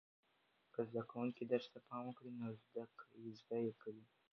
که زده کوونکي درس ته پام وکړي نو زده یې کوي.